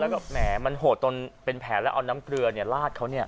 แล้วก็แหมมันโหดจนเป็นแผลแล้วเอาน้ำเกลือลาดเขาเนี่ย